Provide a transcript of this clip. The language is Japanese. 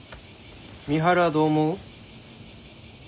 美晴はどう思う？